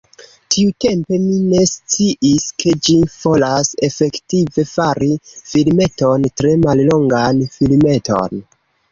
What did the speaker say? Tiutempe, mi ne sciis ke ĝi volas efektive, fari filmeton, tre mallongan filmeton.